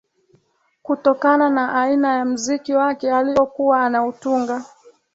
Kutokana na aina ya mziki wake aliokuwa anautunga